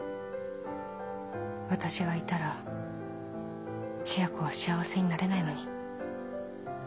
私がいたら千夜子は幸せになれないのに